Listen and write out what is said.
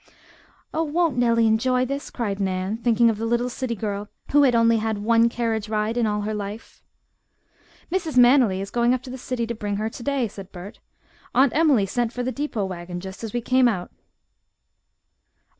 "Oh, won't Nellie enjoy this!" cried Nan, thinking of the little city girl who had only had one carriage ride in all her life. "Mrs. Manily is going up to the city to bring her to day," said Bert. "Aunt Emily sent for the depot wagon just as we came out."